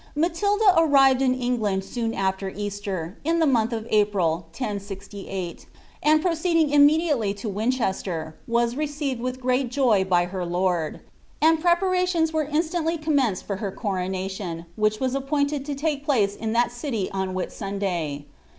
Matilda arrived in England soon after Easter, in the month of April, 1068. and proceeding im mediately lo Winchester, was received witfi great joy by her lord; and prepnmtions were instantly commenced fot her coronation, which was appoititeil to take place in tliat city on Whit Sundsy.